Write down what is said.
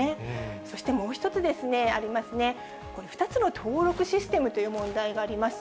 そしてもう１つありますね、これ、２つの登録システムという問題があります。